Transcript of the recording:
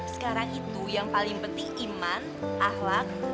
sekarang itu yang paling penting iman ahlak hati sama ini